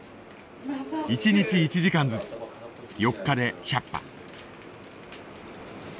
１日１時間ずつ４日で１００羽。